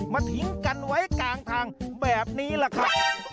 ทิ้งกันไว้กลางทางแบบนี้แหละครับ